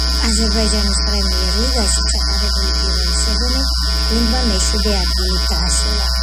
აზერბაიჯანის პრემიერ ლიგაში ჩატარებული პირველი სეზონი გუნდმა მეშვიდე ადგილით დაასრულა.